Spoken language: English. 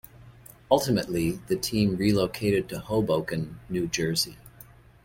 Ultimately, the team relocated to Hoboken, New Jersey.